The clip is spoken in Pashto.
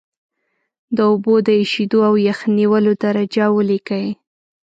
د اوبو د ایشېدو او یخ نیولو درجه ولیکئ.